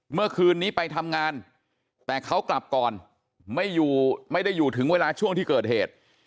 เมื่อคืนนี้ไปทำงานแต่เขากลับก่อนไม่ได้อยู่ถึงเวลาช่วงที่เกิดเหตุ